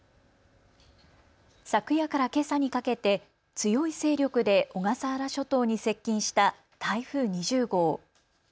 昨夜からけさにかけて強い勢力で小笠原諸島に接近した台風２０号。